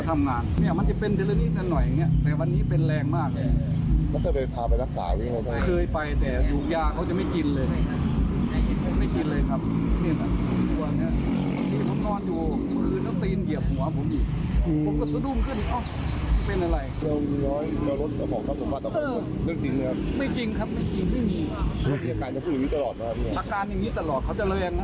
เมื่อกี๊หลังคุยกับเพื่อนบ้านครับ